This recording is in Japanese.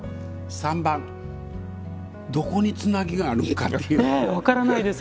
三番、どこにつなぎ目があるのかっていう。